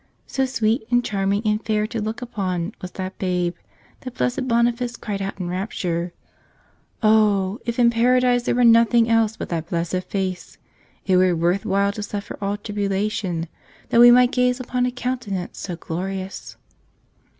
So sweet and charming and fair to look upon was that Babe that Blessed Boniface cried out in rapture: "Oh, if in Paradise there were nothing else but that blessed face, it were worth while to suffer all tribulation, that we might gaze upon a countenance so glorious!"